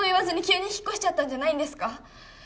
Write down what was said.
急に引っ越しちゃったんじゃないんですか！？